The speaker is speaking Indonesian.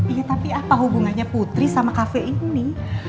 iya tapi apa hubungannya putri sama kafe ini